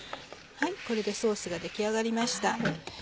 これでソースが出来上がりました。